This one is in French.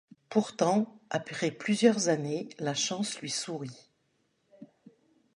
Pourtant après plusieurs années, la chance lui sourit.